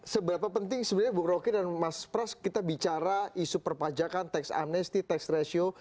seberapa penting sebenarnya bung roky dan mas pras kita bicara isu perpajakan tax amnesti tax ratio